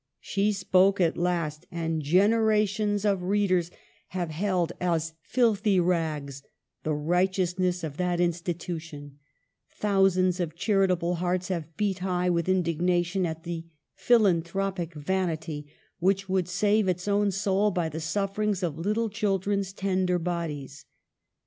She spoke at last, and generations of readers have held as filthy rags the righteous ness of that institution, thousands of charitable hearts have beat high with indignation at the philanthropic vanity which would save its own soul by the sufferings of little children's tender bodies.